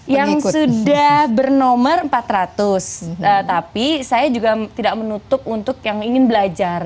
yang sudah bernomor empat ratus tapi saya juga tidak menutup untuk yang ingin belajar